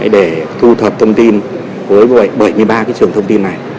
để thu thập thông tin với bảy mươi ba trường thông tin này